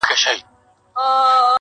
• نجلۍ ګلسوم له درد سره مخ..